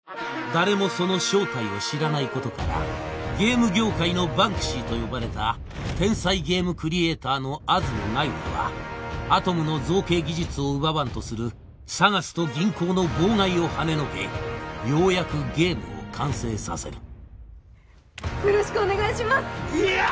誰もその正体を知らないことからゲーム業界のバンクシーと呼ばれた天才ゲームクリエイターの安積那由他はアトムの造形技術を奪わんとするＳＡＧＡＳと銀行の妨害をはねのけようやくゲームを完成させるよろしくお願いしますいや！